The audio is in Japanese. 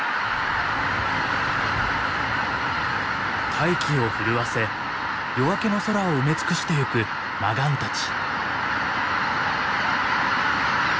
大気を震わせ夜明けの空を埋め尽くしてゆくマガンたち。